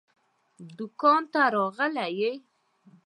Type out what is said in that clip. دوکان ته راغلی يې؟